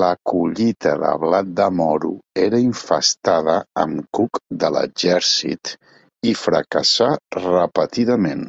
La collita de blat de moro era infestada amb cuc de l'exèrcit i fracassà repetidament.